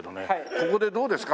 ここでどうですか？